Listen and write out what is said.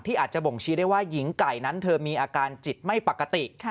อาจจะบ่งชี้ได้ว่าหญิงไก่นั้นเธอมีอาการจิตไม่ปกติ